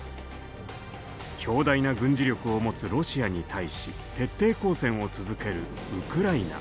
強大な軍事力を持つロシアに対し徹底抗戦を続けるウクライナ。